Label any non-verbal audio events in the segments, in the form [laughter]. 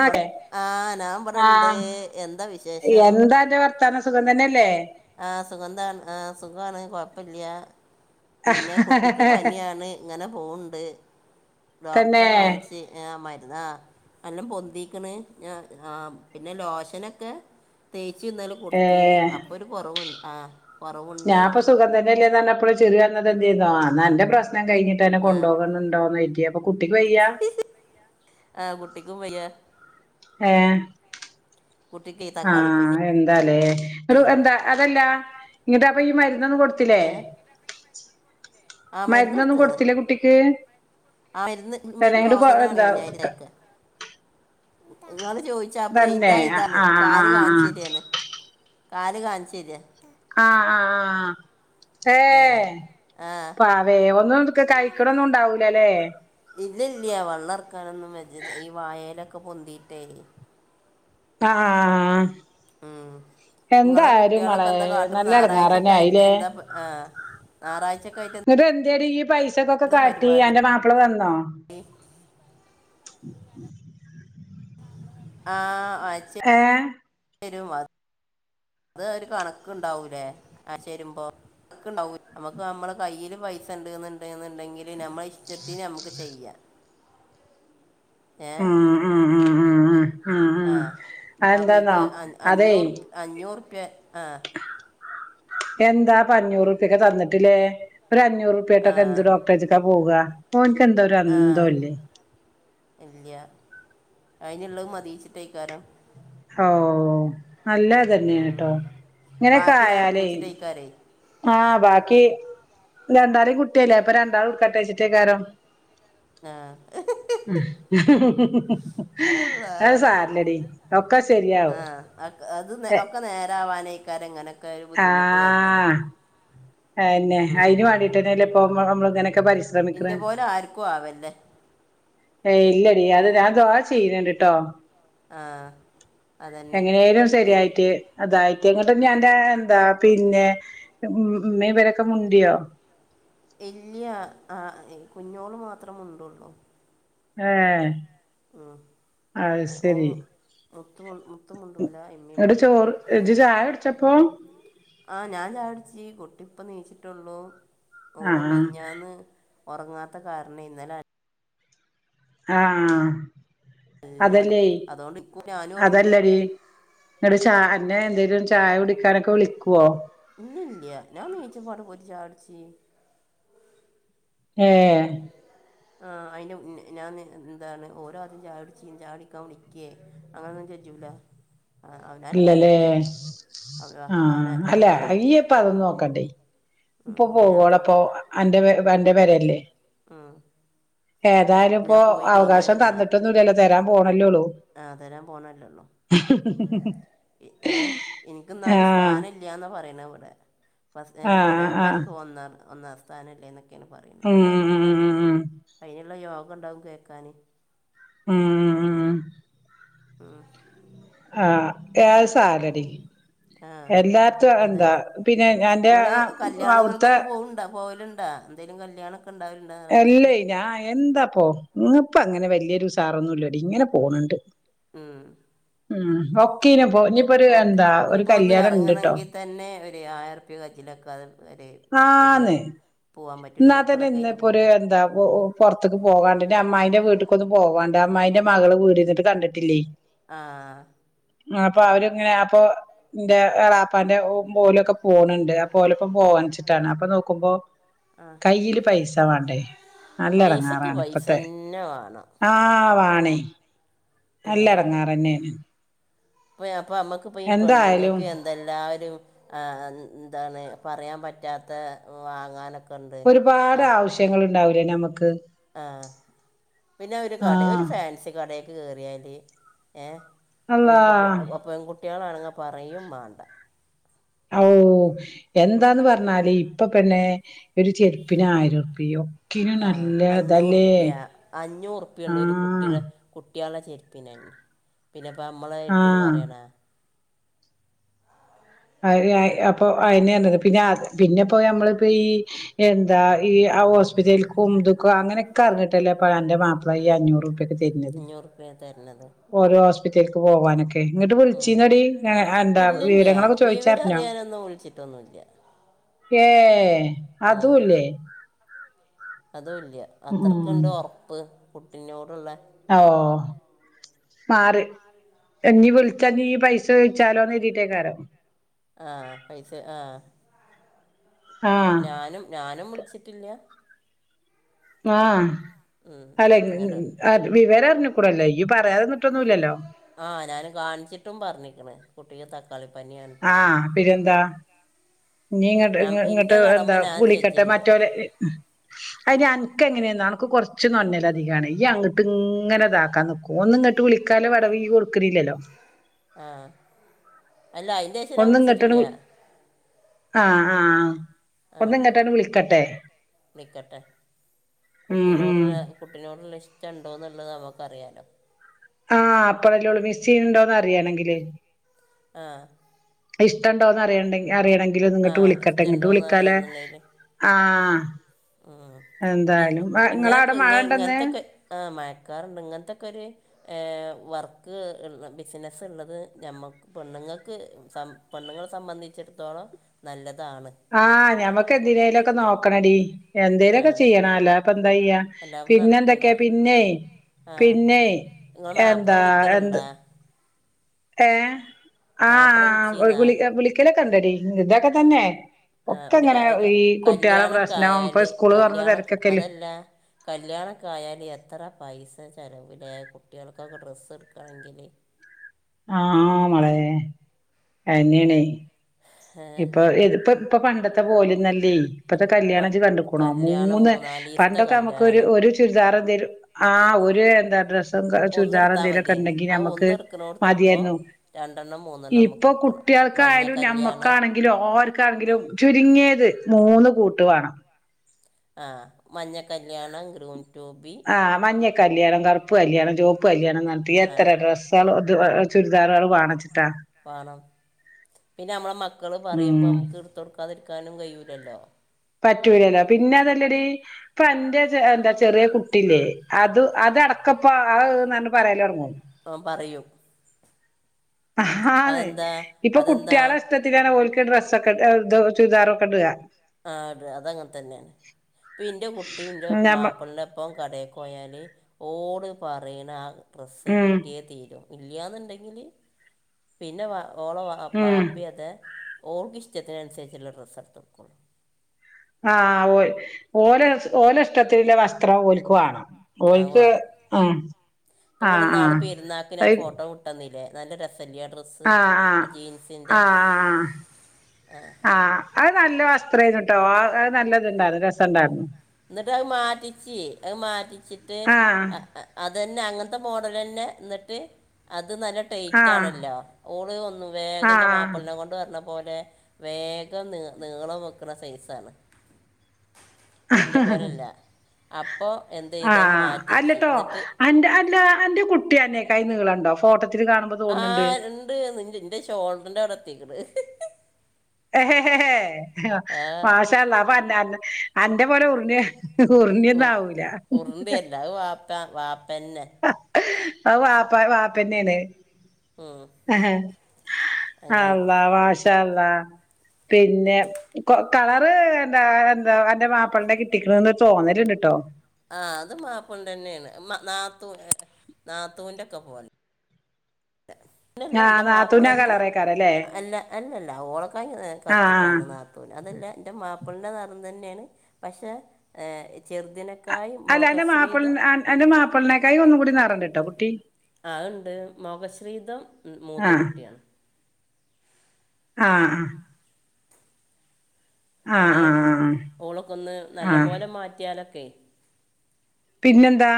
ആകെ ആ നമ്പട്ണ്ട് ആഹ് എന്താ വിശേഷം എന്താ അന്റെ വർത്താനം സുഖം തന്നെല്ലേ ആഹ് സുഖന്താ ആഹ് സുഖവാണ് കൊഴപ്പില്ല്യ പിന്നെ കുട്ടിക്ക് പനിയാണ് ഇങ്ങനെ പോവ്ണ്ട് തന്നെ ഡോക്ടറെ കാൺച്ചി ആ മരുന്നാ എല്ലാം പൊന്തിക്ക്ണ് ആ പിന്നെ ലോശനൊക്കെ തേ ച്ച് ഇന്നലെ കൊടുത്തിന് ഏഹ് അപ്പൊ കൊറവ്ണ്ട് ആ കുറവുണ്ട് ഞാൻപ്പൊ സുഖം തന്നെല്ലേ. പറഞപ്പോ ചുരു എന്ന എന്ത് ചെയ്യുന്നോ അ എന്റെ പ്രശ്നം കഴിഞ്ഞിട്ട് അന്നെ ആ കൊണ്ടപോകണ്ടോന്ന് പറ്റിയ അപ്പൊ കുട്ടിക്ക് വയ്യ ആ കുട്ടിക്കും വയ്യ ഹോ കുട്ടിക്ക് ഈ ആ തക്കാളിപ്പനിയാണ് എന്താലേ ഒരു എന്താ അതല്ലാ ഇത് അപ്പൊ ഈ മരു നെന്ന് കൊടുത്തില്ലേ ഏ ആ മരുന്ന് മരുന്നൊന്നും കൊടുത്തുക്കണ് കൊടുത്തില്ല കുട്ടിക്ക് ആ മരുന്ന് തന്നെ മരുന്ന് ഇങ്ങട്ട് കൊ ലോഷനാണ് എന്താ അയിന് തേക്കെ ഇന്നാള് ചോദിച്ചപ്പള തന്നെ ഇതാ ആഹ് ഇതാണ് ആഹ് കാല് ആഹ് ആഹ് കാണിച്ചരിയാണ് കാല് കാണിച്ചരാ ആ ആ ആ ഏ ആ ആ പാവേവ ഒന്നും നക്ക് കഴിക്കണൊന്നും ഉണ്ടാവൂ ന്നല്ലേ ഇല്ല ഇല്ല വെള്ളം ഇറക്കാനൊന്നും ഈ വായലൊക്കെ പൊന്തിട്ടേ ആ ഉം നിങ്ങള് കുട്ടികളൊക്കെ മളെ എന്താ കാട്ടണം നല്ല ഞറാഴ്ചക്ക എടങ്ങേറന്നെ ആയിട്ട് ആയില്ലേ എന്താ ആ ഞായറാഴ്ചക്ക ആയിട്ട് ചെറി പൈസ അച്ചക്കൊക്കെ എന്താ കാട്ടി പരിപാടി അന്റെ മാപ്പിള വന്നോ? [inaudible] ആഹ ഏ അത് ഒരു കണക്ക ഉണ്ടാവൂലേ ആ ശരു [unintelligible] മ്പോ കണ്ടാവൂ നമ്മക്ക് നമ്മെ കയ്യിൽ പൈസ ഉണ്ടണ്ടണ്ടെങ്കില് നമ്മ ചെത്തിന നമുക്ക് ചെയ്യാം ആഹ ഏഹ് ആഹ ആഹ ആഹ് ആഹ ആ ആ അ എന്താന്നോ അതെ പെ ആ എന്താ പഞ്ഞൂറ്റപ്യൊക്കെ തന്നിട്ടില്ലേ ഒരു ആ അഞ്ഞൂറ്റൂപ്യായിട്ടൊക്കെ എന്ത് ഡോക്ടറേജക്കെ പോവുക ഓനക്ക് എന്താ ഒരു ആ അന്തവും ഇല്ലേ ഇല്ല അയിന്ുള്ളത് മതിച്ചിട്ടയിക്കാരം ഓ നല്ലതന്നെയാണ് കേട്ടോ ഇങ്ങനെയക്കെ ബാക്കി ഞാൻ ആായാലേ കൂച്ചിട്ടേക്കാരേ ആഹ ബാക്കി രണ്ടാളും കുട്ടിയല്ലേ അപ്പൊ രണ്ടാൾ ഉൾക്കാട്ട വെച്ചിട്ടേക്കാരോ ആ ഉ ഉ അല്ല ഒക്കെ ആ ശരിയാവും അത് എ ഒക്കെ നേരവാനേ എങ്ങനെ ബുദ്ധിമുട്ട് വരുന്നത് ആ്ന്നെ ഉം. അതിന് വേണ്ടിട്ട്ന്നെ [unintelligible] ഇന്റെ പോലെ ആർക്കും ആവല്ലേ ഏയ് ഇല്ലടി അത് ഞാൻ ദവാ ചെയ്യുന്നണ്ടിട്ടോ ആ അതന്നെ എങ്ങനെയാലും പി ശരിയായിട്ട് അതായി ഞാൻന്റെ എന്താ പിന്നെ ഉമ്മീവരൊക്കെ മുണ്ടിയോ ഇല്ല്യ ആഹ് ഇഹ് കുഞ്ഞോള് മാത്രം മുണ്ടോള്ളൂ ആഹ് ഉം ഓഹ് മു മുത്തും മുത്തും മുണ്ടൂല ഇമ്മീ ങ്ങട്ട് മുണ്ടൂല ചോറ് ഇജ്ജ് ചായ കുടിച്ചപ്പോ ആ ഞാൻ ചായടിച്ചി കുട്ടിപ്പ നീച്ചിട്ടുള്ളു ഓള് ആഹ് മിഞ്ഞാന്ന് ഉറങ്ങാത്ത കരണേ ഇന്നല അൻ- ആഹ് നല്ലോണം അതല്ലേ അതുകൊണ്ട് ഇക്കു ഞാനും ഉറങ്ങി അതല്ലടി ഇങ്ങട്ട് ചായ്- ന്നെ എന്തേലും ചായുടിക്കാനൊക്കെ വിളിക്കോ. ഇല്ല ഇല്ല്യ... ഞാൻ നീച്ചും മ്പാടെ പോയിട്ട് ചായുട്ച്ചി ഏഹ് ആഹ് അയിന് മ് ഞാൻ ന്താണ് ഓരാത്യം ചായുട്ച്ചി ചായ്യുടിക്കാൻ വിളിക്കെ അങ്ങനെ ഒന്നും ചെജൂല. ഇല്ലലെ അവ അവന ആഹ്. അല്ല എൻ്റെ ഇയ്യ് ഇപ്പതൊന്നും നോക്കണ്ടേയ്. ഇപ്പൊ എന്തിനാ ഇപ്പോൾ പോവോളൊപ്പോ അന്റെ പെര അന്റെ പെരെ അല്ലെ.. ഏതായാലും ഇപ്പോ ഞാൻ പോയി അവകാശം തന്നിട്ടൊന്നുല്ലല്ലോ തരാൻ പോണല്ലോള്ളൂ ആഹ് തരാൻ പോണല്ലോള്ളൂ. ഏഹ് ഇൻക് ന്നാലും ആഹ് സ്ഥാനല്ല്യാന്നാ പറയണ് ഇവ്ടെ. ഫസ് എഹ് ആഹ് ആഹ് അല്ലങ്കിപ്പൻക് ഒന്ന ഒന്നാം സ് സ്ഥാനല്ലേ ന്നൊക്കെ ങ്ങനെ പറയണത്. ഉം ഉം പറഞ്ഞോട്ടെ ഉം അയ്നുള്ള യോ ക്കണ്ടാവും കേക്കാന്. ഊം ഉം ഊം ആ യേ അഹ് സാരല്ലടി. ആ എല്ലാർത്തും അഹ് ന്താ അതന്നെ പിന്നെ അന്റെ നിങ്ങൾ അഹ് അവ്ട്ത്തെ ണ്ടാ എന്തേലും കല്യാണൊ അല്ലെ ഞാൻ എന്താപ്പോ ഇന്ന് പ്പോ അങ്ങന വല്യ ഇൻസാറൊന്നുല്ലടി ഇങ്ങനെ പോണ് ണ്ട്. മ്മ് ഉം ഒക്കീനും ഒക്ക് ഇഞ്ഞിപ്പോ ഒന്ന് ഇണ്ട്ട്ടോ എർങ്ങണങ്കിതന്നെ ഒരു ആയിറുപ്യാ കജ്ജിലേക്കാതെ പെരേ ആന്ന് പരുവാടി പോവാപറ്റോ മക്കളെക്കേറ്റ് പൊരേ ന്താ പൊ പൊറ്ത്ത്ക്ക് പോവാണ്ട് ന്റെ അമ്മായിന്റെ വീട്ടുക്കൊന്ന് പോവാണ്ട് ന്റെ അമ്മായിന്റെ മകള് വീടിരിന്ന്ട്ട് കണ്ടിട്ടില്ലേയ്. ആഹ് ആഹ് പ്പോ അവരിങ്ങനെ അപ്പൊ ന്റെ എളാപ്പാന്റെ ഓലൊക്കെ പോണ് ണ്ട് അപ്പൊ ഓലോപ്പം പോവാച്ചിട്ടാണ് അപ്പൊ നോക്കുമ്പോ ആ കയ്യില് പൈസ ന്താ വാണ്ടേ നല്ല പൈസക്ക് എടങ്ങാറാണ് പൈസ പ്പത്തെ തന്നെ വേണം ആഹ് വാ വാണെ നല്ല എടങ്ങാറന്നേന്. പുയാപ് ഇപ്പോനമുക്ക്പ്പോം ഈ എന്തായാലും പെണ്ണുങ്ങൾക്ക് എന്തെല്ലാം ഒരു അ ആ എന്താണ് പറയാൻ പറ്റാത്ത വാങ്ങാനൊകെ- ഒരുപാട് ആവശ്യങ്ങൾ ഉണ്ടാവി ല്ലെനമ്മക്ക് ആ പിന്നെ ഒര് കട ഒരു ആഹ് ഫാൻസി കടെ കേറ്യാല് ഏ അള്ളാ ഇപ്പ പ്പൊപ്പൊ ഓപെൺ കു ട്ട്യളാണങ്കി പറയും മാണ്ട ഓ എന്താന്ന് പർഞ്ഞാല് ഇപ്പൊ പിന്നെ ഒരു ചെര്പ്പിനായിരൊർപ്പ്യോ ആ അഞ്ഞൂറുപ്യ അഞ്ഞൂറു പ്യോണ്ട് ഒരു ആഹ് കുട്ടിടെ കുട്ട്യാളെ ചെ ചെര്പ്പിന്നാ [unintelligible] പിന്നെപ്പ അമ്മളെ എര്പ്പിന് ആഹ് പറ്യണാ അഅ് അഅ് അപ്പൊ അയ്ന് ർഞ്ഞത് പിന്നെ അ പിന്നെപ്പോ നമ്മളിപ്പോ ഈ എന്താ ഈ ആ ഹോസ്പിറ്റൽക്കും ഇതൊക്കെ അങ്ങനൊക്കെ അർഞ്ഞിട്ടല്ലേ പ്പം അൻ്റെ മാപ്പള ഈ അഞ്ഞൂറു പ്യൊ തര്നത് അഞ്ഞൂറ് ഉറുപ്പ്യ തരണത് ഓരോ ഹോസ് പിറ്റൽക്ക് പോവാനൊക്കെ എ ഇങ്ങട്ട് വിൽച്ചീനെടി എ അന്താ വിവരങ്ങളൊക്കെ ചോയിച്ചറിഞ്ഞോ വിവരറിയാനൊന്നും വിൾച്ചിട്ടൊന്നുല്ല ഏ അതൂല്ലേ അതുല്ല്യ ഉം അത്രക്ക്ണ്ട് ഓർപ്പ്. കുട്ടിനോടുള്ള ഓ മാറി എന്നീ വിളിച്ച നീ പൈസ കഴിച്ചാലോന്നീട്ടേക്കാരോ ആഹ് പൈസ ആഹ് ആഹ് ഞാനും ഞാനും വിളിച്ചിട്ടില്ല ആഹ് ഉം, അല്ലെ ഇങ്ങോട്ട് ആ വിവര ടല്ലേ ഈ പറയാതന്നിട്ടൊന്നും ഇല്ലല്ലോ ആഹ് ഞാന് കാണിച്ചിട്ടും പറഞ്ഞില്ലന്ന് കുട്ടീട ത ആഹ് പിന്നെന്താ ഇനി ഇങ്ങട്ട് എൻ്റെ ഇങ്ങോട്ട് കടമ എന്താ ഞാൻ വിളിക്കട്ടെ ചെയ്യുന്നുണ്ട് മറ്റവരെ അത് ഞാൻ ക്ക്എങ്ങനെയാ അവനക്ക് കുറച്ച് നന്നല അധികമാണ് ഈ അങ്ങോട്ട് ഇങ്ങനെ അതാക്കാൻ നോക്കൂ ഒന്നും ഇങ്ങോട്ട് വിളിക്കാലോ വടവ കൊടുക്കണില്ലല്ലോ ആഹ് അല്ല അതിന്റേശേനം ഞാൻ ഒന്ന് ഇങ്ങട്ടാണ്ട് വിളിച്ചിട്ടില്ല വി ആഹ് ആഹ് ആ ഒന്ന് ഇങ്ങട്ടാണ്ട് വിളിക്കട്ടെ നിക്കട്ടെ ഉം ഉം കുട്ടിനോടുള്ള കുട്ടിനോട്ള്ളഷ്ടം ഉണ്ടോന്ന് ന്ന് നമുക്കറിയാലോ ആഹ് അപ്പഴല്ലേള്ളൂ മിസ് ചെയ്യ്ണ്ടോന്ന് അറിയണെങ്കില് ആ ഇഷ്ടണ്ടോന്നറിണ്ടെങ്കില് ആഹ് ഇഷ്ട ണ്ടോന്ന് അറിയണോന്ന്ണ്ടെങ്കില് ആഹ് ഉം പിൻ എന്തായാലും ഇങ്ങളെ ഇങ്ങനൊക്കെ അവിടെ ഇങ്ങ മഴ ഇണ്ടന്ന് ഇങ്ങനത്തൊക്കെ ആ മഴക്കാറുണ്ട് ഇങ്ങനത്തൊക്കൊര് ഏഹ് വർക്ക് ഇൾ ബിസിനസ്സ് ഇള്ളത് ഞമ്മക്ക് പെണ്ണുങ്ങൾക്ക് സ പെണ്ണുങ്ങളെ സംബന്ധിച്ചിടത്തോളം നല്ലത് ആഹ് ഞമ്മക്ക് എന്തിനേലൊക്കെ നോക്ക് നോക്കണെടി ആ എന്തേലൊക്കെ ചെയ്യണം അല്ലതെ ഇപ്പ എന്താ ചെയ്യാ അല്ലാതെ നടക്കൂല പിന്നെന്തൊക്കെയാ പിന്നെയ് ആ പിന്നെയ് നിങ്ങളെ മാപ്പിള എന്താ എന്ത് വിളിക്കലുണ്ടോ ഏഹ് ആ മാപ്പിള ആഹ് വിളിച്ചീന്നാ വിളി വിളിക്കലക്ക് ക്കണ്ടടി ഇതൊക്കെ തന്നെ ആ ഒക്കെ ഒരു ഇങ്ങനെ ക ഈ കുട്ട്യാളെ പ്രശ്നം ഇപ്പൊ കല്യാണക്കായാല് സ്കൂള് തൊറന്ന കല്യാണ തെരക്കൊക്കെല്ലേ അതല്ല കല്യാണക്കായാല് എത്ര പൈസ ചെലവ് ല്ലേ കുട്ട്യേൾക്കൊക്കെ ഡ്രെസ്സ് എടുക്കണെങ്കില് ആഹ് മളേ അതെന്നെയാണേ ഏ ഇപ്പൊ ഇതിപ്പ ഇപ്പൊ പണ്ടത്ത് ത്ത പോലെയൊന്നു അല്ലേ ഇപ്പത്തെ ഇപ്പ കല്യാണം ഇജ്ജ് കണ്ടക്കണോ കല്യാണം മൂന്ന് മൂന്നാലീസത്തെ പണ്ടൊക്കെ നമുക്ക് കല്യാണ ഒരു ഒരു ചുരിദാറ് [unintelligible] ആഹ് ഒരു എന്താ ഡ്രസ്സ് ഒന്ന്ട് ത്താ മതിയാന് ആ ഒന്ന എടുക്കുന്നോടത്ത് ഇപ്പ മതിയായിരുന്നു രണ്ടെണ്ണം മൂന്നെണ്ണം നമുക്ക് എടുക്കണം മഞ്ഞ കല്യാണ ഒക്ക ആണെങ്കിലും ഓർക്കാണെങ്കിലും ചുരുങ്ങിയത് മൂന്ന് കൂട്ട് വേണം ആഹ് മഞ്ഞ കല്യാണം ഗ്രൂമ് ആഹ് മഞ്ഞ കല്യാണം കുരു പ്പ് കല്യാണം ചോപ്പ് കല്യാണ ണന്ന് പറഞ്ഞിട്ട് ആ എത്ര ഡ്രസാള് [unintelligible] ചുരിദാറാള് വേണച്ചു വേണം പിന്നെ നമ്മളെ മക്കള് പറയുമ്പോ ഉം നമുക്ക് എടുത്ത് കൊടുക്കാതിരിക്ക ക്കാനും കഴിയൂലല്ലോ പറ്റൂലല്ലോ പിന്നെ അതല്ലടി, ഇപ്പ അന്റെ എന്താ ചെറിയ കുട്ടില്ലേ അത് അതടക്കപ്പ ആഹ്ന്ന് പറയലൊടങ്ങും. ആഹ് പറയും. ആ അതെ അതെന്താ ഇപ്പൊ അതെന്താ കുട്ടികളെ ഇഷ്ടത്തിലാണ് ഓൽക്ക് ഡ്രസ്സൊക്കെ ഏഹ് ഇത് ചുരിദാറൊക്കെ ഇടാ ആ അ അതങ്ങനെ തന്നെയാണ് ഇപ്പ ഇന്റെ കുട്ടിയും ഇന്റെ ഞമ്മ മാപ്പിളിന്റെപ്പം കടയൊക്ക പോയാല് ഓള് പറയണ ആ ഡ്രസ്സ് ഉം കിട്ടിയേ തീരൂ ഇല്ല്യാന്ന്ണ്ടെങ്കിൽ പിന്നെ വ ഓള വ ഉം വാപ്പിയതേ ഓൾക്ക് ഇഷ്ടത്തിനനുസരിച്ചുള്ള ഡ്രസ്സാ ഇട്ത്ത് കൊടുക്കോൻ ആഹ് ഓ ഓല ഓല ഇഷ്ടത്തില്ള്ള വസ്ത്രം ഓൽക്കുവാണം. ആ അഹ് വാണം. ഇപ്പങ്ങള് ആഹ് ഇന്നാള് ആഹ് പെരുന്നാക്ക് ഞാൻ അത് ഫോട്ടോ വിട്ടന്നില്ലേ നല്ല രസ ആഹ് ആഹ് ആ ആ. അത് നല്ല വസ് ത്രേന്നുട്ടോ ആ അത് നല്ലത്ണ്ടായിരുന്നു. രസംണ്ടായിരുന്നു. എന്നിട്ട് അത് മാറ്റിച്ച് അത് മാറ്റിച്ചിട്ട് ആഹ് അത ന്നെ അങ്ങനത്തെ മോഡലന്നെ എന്നിട്ട് അ ത് നല്ല ആഹ് ട്ടയ്റ്റാണല്ലോ. ഓള് ഒന്നും വേഗന്റെ ആഹ് മാപ്പ്ളനെ കൊണ്ട് പർന പോലെ വേഗം നി നീളം വെക്ക്ണ സൈസാണ്. ഇന്റെ പോലെല്ല. അപ്പം എന്ത യ്ത് അത് ആഹ് മാറ്റിച്ച് അല്ലട്ടോ ഇന്നട്ട് അന്റെ അല്ല അന്റെ കുട്ടി അന്നെക്കായി നീളണ്ടോ? ഫോട്ടത്തി ആ ഇണ്ട് നി ഇന്റെ ഷോൾഡറിന്റെ അവ്ട ത്തിക്ക് ണ്. എഹേ ഹെ. മാഷ അല്ലാഹ് അപ്പം അന്നെ അന്നെ അന്റെ പോലെ ഒവ്ട്ന്ന് ഉർണി ഉർ ഒന്നാവൂല പ്പെന്നെ ആഅ് വാപ്പ വാപ്പന്നെണ് ഉം, അഹ അങ്ങനെ അല്ലാഹ് വാഷ് മാഷാ അല്ലാഹ് പിന്നെ കളറ് എന്താ എന്താ എന്റെ മാപ്പിളന്റെ ട്ടകിട്ടിക്ക്ണ്ന്ന് തോന്നട്ട ലുണ്ട്ട്ടോ ആ അത് മാപ്പളന്റെന്നെണ് നാത്തൂ നാത്തൂന്റെ ഒക്കെ പോലെ പിന്നല്ല ആഹ് എന്റെ നാത്തൂനാ മാപ്പിളന്നെ കളറേക്കാരല്ലേ അല്ല അല്ലല്ല ഓളക്കായി ആഹ് കറ്ത്തിട്ടാണ് നാത്തൂന് അതല്ല എന്റെ മാപ്പി പ്പള്ന്റെ നെറം തന്നെയാണ് പക്ഷേ ചെറുതിന് അല്ല അന്റെ മാപ്പിള് അന്റെ മാപ്പിളനേക്കായി ഒന്നും കൂടി നെറണ്ട് അഅ്ണ്ട് മകശ്രീധം മൂത്ത ആഹ് കുട്ട്യാണ് ആഹ് ആഹ ഏഹ ആഹ് ഓളൊക്കൊന്ന് നല്ല ആഹ് പോലെ മാറ്റിയാല് ലെ പിന്നെന്താ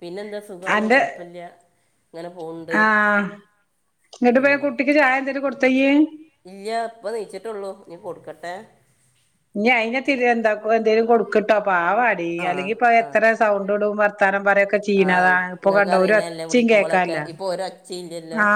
പിന്നെന്താ സുഖമാണ് കുഴപ്പല്ല്യ ആ [unintelligible] കുട്ടിക്ക് ചായ എന്തലും കൊടു പയ്യെ ഇയ ഇപ്പൊ ണിച്ചിട്ടള്ളൂ നീ കൊടുക്കട്ടേ ഇനി അയിനെ തിരുകണ്ട പൊയ് എന്തേലും കൊടുക്ക കട്ടപ് പാവാടി ആ അല്ലെങ്കി ഇപ്പ ആ എത്ര സൗണ്ട് ഇടു തരാം വരൊക്കെ ചീണ ആഹ് ആണ് ഇപ്പൊ ഇങ്ങക്ക് കണ്ടോ ഒരു അറിയണല്ലേ ഒച്ചയും വിളിക്കുമ്പോളൊക്കെ കേക്കാല്ല ഇപ്പൊ ഒരൊച്ചയില്ലല്ലോ ആ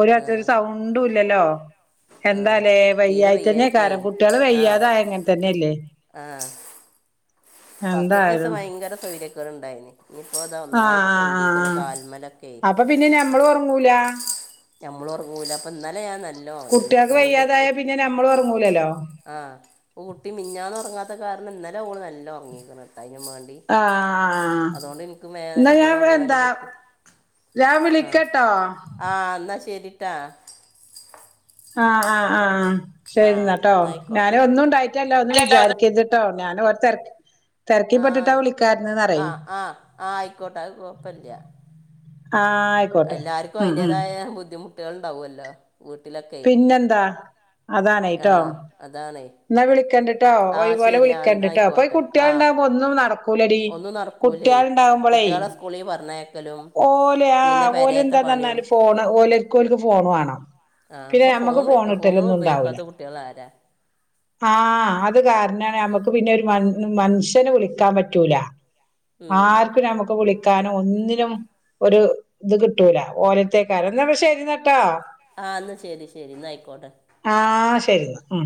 ഒരാത്തരു ആഹ് സൗണ്ട ഇപ്പൊല്ലല്ലോ ആഹ് എന്താാലേ തീരെ വയ്യായി തന്നെ വയ്യായിട്ടേ കാര കുട്ടികള് ആഹ് വയ്യാതായിങ്ങനെ തന്നെല്ലേ സത്യത്തീത്ത ഭയങ്കര [unintelligible] അതാ ആ ആ ഒന്നായിട്ട് ആ പൊന്തിക്കണ് കാൽമലൊക്കെ ആ അപ്പൊ പിന്നെ ഞമ്മള് ഉറങ്ങൂല നമ്മള് ഉറങ്ങുല അപ്പൊ ഇന്നാലെ ആണ് കുട്ടികക്ക് വയ്യാതായ പിന്നെ മ്മള് ഉറങ്ങൂലല്ലോ ആ കുട്ടി മിനിഞ്ഞാന്ന് ഉറങ്ങാത്ത അത് കാരണം ഇന്നലെ ഓള് നല്ല ഉറങ്ങിയേക്കണ് തിനും വേണ്ടി ആഹ് അതുകൊണ്ട് അതിനുവേണ്ടി അതുകൊണ്ട് എനിക്ക് എന്നാ [unintelligible] പോലെ ഞാൻ ഉറങ്ങാനും എന്താ പറ്റി ഞാൻ ആ വിളിക്കട്ടോ ആ എന്നാൽ ശരി [unintelligible] അ അ ആ ശരിന്നട്ടോ എന്നാ ഞാന് ആയിക്കോട്ടെ ഒന്നും ഉണ്ടായിട്ടല്ല ഒന്ന് വിചാരിക്കരു ട്ടോ ഞാന് അവരെ ആയി ആ ആ ആയിക്കോട്ടെ കൊഴപ്പില്ല ആ ആയിക്കോട്ടെ ഉം ഉ കുട്ടികളണ്ടാവുമല്ലോ വീട്ടിലൊക്കെ അതാണ് ട്ടോ ആഹ് അതാണേ എന്നാ വിളിക്കണ്ട്ട്ടൊ ആഹ് ഒഴിപോലെ ശരി ആ എന്നാ വിളിക്കണ്ട്ടോ പ്പൊ ഈ ആയിക്കോട്ടെ ആഹ് കുട്ടികൾണ്ടാകുമ്പോ ഒന്നും നടക്കൂലടി ഒന്നും നടക്കൂലേ കുട്ടിയാൾണ്ടാവുംമ്പോളേ കുട്ടികളെ സ്കൂളിൽ പറഞ്ഞയക്കലും ഓലെ ആ പിന്നെ ഓലെ പെരയത്തെ പണിയും എന്താന്നാല് ഫോണ് ഓലക്ക് ഓൽക്ക് ഫോണ് വേണം ആ പിന്നെ ഇപ്പൊ ഞമ്മക്ക് ഫോണ് ഫോൺ ഉപയോഗിക്കാത്ത കുട്ടികൾ ആരാ ആഹ അത് കാരണാണ് നമുക്ക് പിന്നെ ഒരു മൻ മൻഷ്യനെ വിളിക്കാൻ പറ്റൂല ഉം ആർക് നമുക്ക് വിളിക്ക ക്കാനും ഒന്നിനും ഒരു ഇത് കിട്ടൂല ഓലട്ക്കാളും ന്ന ശരിയന്നട്ടോ ആ ന്നശെരി ശരിയെന്നായിക്കോട്ടെ ശരിന്ന ഉം